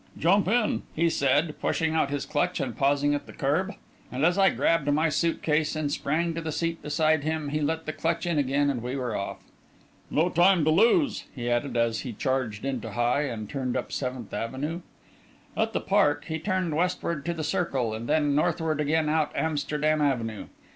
"Jump in," he said, pushing out his clutch and pausing at the curb; and as I grabbed my suit case and sprang to the seat beside him, he let the clutch in again and we were off. "No time to lose," he added, as he changed into high, and turned up Seventh Avenue. At the park, he turned westward to the Circle, and then northward again out Amsterdam Avenue.